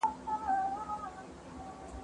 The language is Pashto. زه اوږده وخت پاکوالي ساتم وم!!